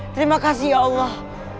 terima kasih ya allah